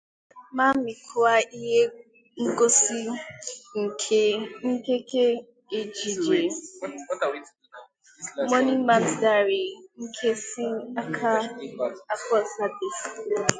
ma mekwa ihe ngosi nkenke ejìjé “Money Man’s Diary” nke si n'aka Akpos Adesi